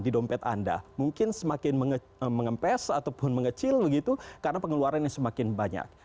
di dompet anda mungkin semakin mengempes ataupun mengecil begitu karena pengeluaran yang semakin banyak